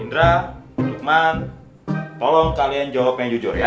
indra lukman tolong kalian jawab yang jujur ya